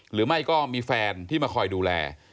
หรือไม่ก็มีแฟนที่มาคอยดูแล